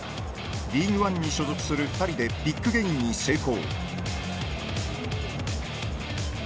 リーグワンに所属する２人でビッグゲインに成功